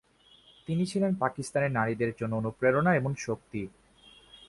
তিনি ছিলেন পাকিস্তানের নারীদের জন্য অনুপ্রেরণা এবং শক্তি।